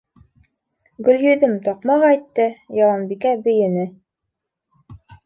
Гөлйөҙөм таҡмаҡ әйтте, Яланбикә бейене.